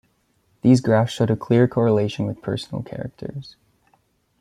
These graphs showed a clear correlation with personal characters.